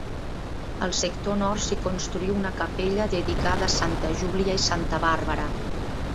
Al sector nord s'hi construí una capella dedicada a santa Júlia i santa Bàrbara.